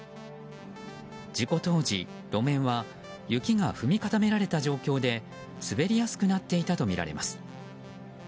事故当時、路面は雪が踏み固められた状況で滑りやすくなっていたとみられます。